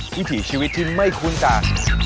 วิถีชีวิตที่ไม่คุ้นตา